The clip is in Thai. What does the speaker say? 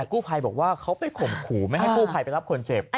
กู้ภัยบอกว่าเขาไปข่มขู่ไม่ให้กู้ภัยไปรับคนเจ็บ